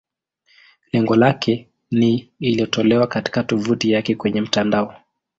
Lengo lake ni iliyotolewa katika tovuti yake kwenye mtandao.